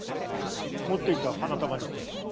持っていた花束については？